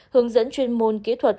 hướng dẫn chuyên môn kỹ thuật